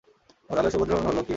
তাহা হইলে সুভদ্রাহরণ হইল কী করিয়া।